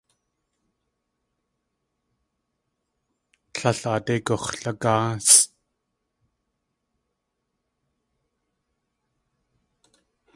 Tlél aadé gux̲lagáasʼ.